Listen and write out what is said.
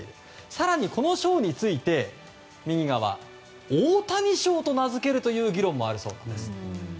更に、この賞についてオオタニ賞と名付けるという議論もあるそうなんです。